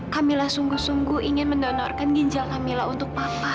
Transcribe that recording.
kamilah sungguh sungguh ingin mendonorkan ginjal camilla untuk papa